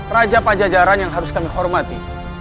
raja pajajaran yang harus kami hormati